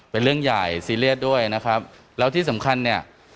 เป็นเรื่องใหญ่ซีเรียสด้วยนะครับแล้วที่สำคัญเนี่ย